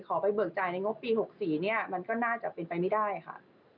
ไปเบิกจ่ายในงบปี๖๔เนี่ยมันก็น่าจะเป็นไปไม่ได้ค่ะ